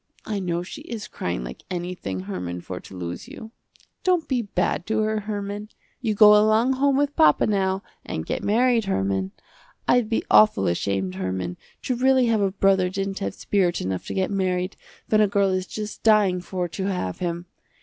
I know she is crying like anything Herman for to lose you. Don't be bad to her Herman. You go along home with papa now and get married Herman. I'd be awful ashamed Herman, to really have a brother didn't have spirit enough to get married, when a girl is just dying for to have him.